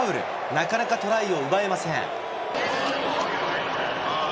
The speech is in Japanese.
なかなかトライを奪えません。